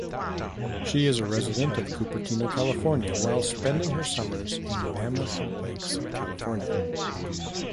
She a resident of Cupertino, California, while spending her summers in Mammoth Lakes, California.